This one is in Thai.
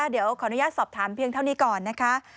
เดี๋ยวขออนุญาตสอบถามเพียงเท่านี้ก่อนนะคะ